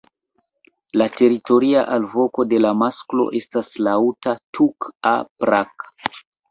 La teritoria alvoko de la masklo estas laŭta "tuuk-a-prrak".